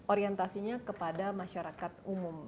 orientasinya kepada masyarakat umum